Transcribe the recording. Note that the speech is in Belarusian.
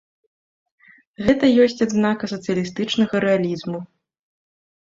Гэта ёсць адзнака сацыялістычнага рэалізму.